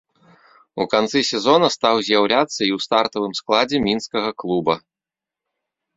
У канцы сезона стаў з'яўляцца і ў стартавым складзе мінскага клуба.